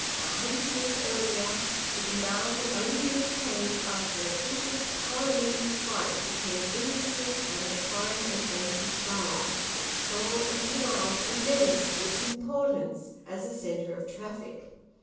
A hundred years earlier the canal had only been obtained after a vicious Parliamentary fight between industry and the fine and ancient borough, which saw in canals a menace to its importance as a centre of traffic.